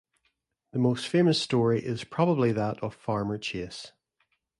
The most famous story is probably that of Farmer Chase.